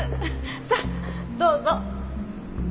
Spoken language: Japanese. さあどうぞ。